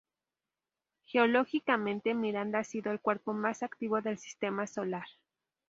Geológicamente, Miranda ha sido el cuerpo más activo del sistema solar.